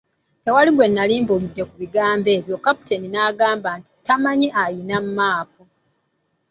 Tiwali n'omu gwe nali mbuulidde ku bigambo ebyo. Kapitaani n'agamba nti tamanyi alina maapu.